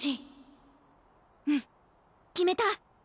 うん決めた！